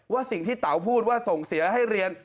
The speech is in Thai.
สิ่งที่เต๋าพูดว่าส่งเสียให้เรียน